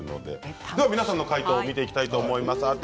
では皆さんの解答を見ていきたいと思います。